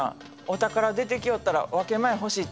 お宝出てきよったら分け前欲しいって？